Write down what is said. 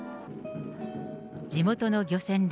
地元の漁船ら